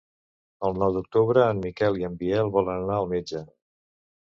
El nou d'octubre en Miquel i en Biel volen anar al metge.